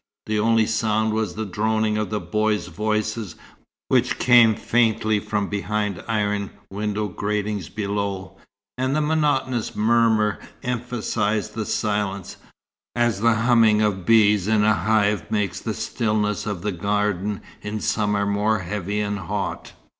The only sound was the droning of the boys' voices, which came faintly from behind iron window gratings below, and that monotonous murmur emphasized the silence, as the humming of bees in a hive makes the stillness of a garden in summer more heavy and hot.